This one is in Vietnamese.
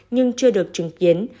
nhưng chưa được chứng kiến